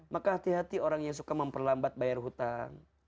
maka hati hati orang yang suka memperlambat bayar hutang